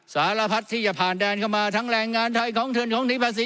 สารพัฒน์ที่จะผ่านแดนเข้ามาทั้งแรงงานไทยของเถือนของนิพศิ